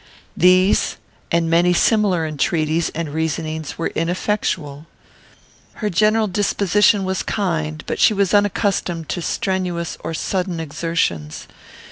These and many similar entreaties and reasonings were ineffectual. Her general disposition was kind, but she was unaccustomed to strenuous or sudden exertions.